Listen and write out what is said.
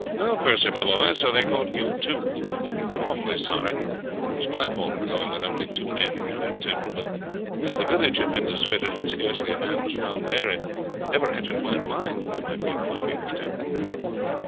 "Well, Percy, my boy, so they caught you too? I am awfully sorry. It was my fault for going with only two men into that temple, but as the village had been deserted and scarcely a man was found there, it never entered my mind that there might be a party in the temple."